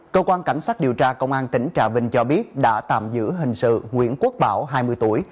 cơ quan cảnh sát điều tra công an tỉnh trà bình cho biết đã tạm giữ hình sự nguyễn quốc bảo hai mươi tuổi